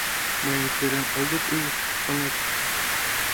— Мыйым кырен огыт ул, шонет?